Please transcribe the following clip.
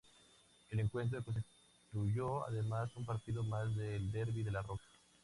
El encuentro constituyó además un partido más del Derbi de La Roca.